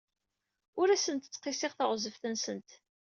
Ur asent-ttqissiɣ teɣzef-nsent.